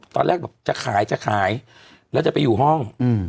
ตอนแรกจะขายแล้วจะไปอยู่ห้อง